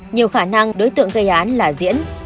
nhiều khả năng đối tượng gây án là diễn